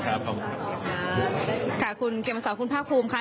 ครับขอบคุณครับค่ะคุณเกมสอบคุณพระภูมิค่ะ